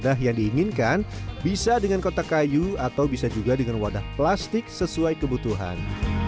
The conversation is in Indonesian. nah yang diinginkan bisa dengan kotak kayu atau bisa juga dengan wadah plastik sesuai kebutuhan